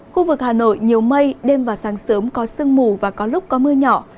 khu vực hà nội nhiều mây đêm và sáng sớm có sương mù và có lúc có mưa nhỏ